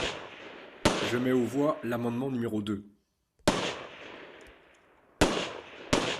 Je mets aux voix l’amendement numéro deux.